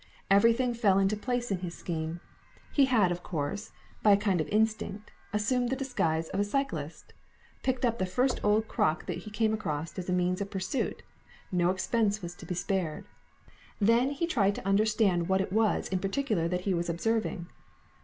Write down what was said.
Everything fell into place in his scheme. He had, of course, by a kind of instinct, assumed the disguise of a cyclist, picked up the first old crock he came across as a means of pursuit. 'No expense was to be spared.' Then he tried to understand what it was in particular that he was observing.